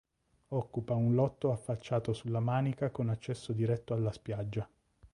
Occupa un lotto affacciato sulla Manica con accesso diretto alla spiaggia.